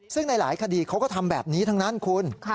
ซึ่งในหลายคดีเขาก็ทำแบบนี้ทั้งนั้นคุณ